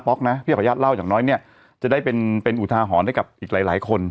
๊อกนะพี่ขออนุญาตเล่าอย่างน้อยเนี่ยจะได้เป็นเป็นอุทาหรณ์ให้กับอีกหลายคน